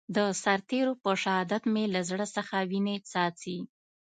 د سرتېرو په شهادت مې له زړه څخه وينې څاڅي.